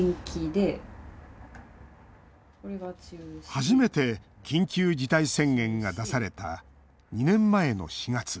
初めて緊急事態宣言が出された２年前の４月。